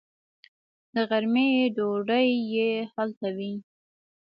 د غرمې ډوډۍ یې هلته وي.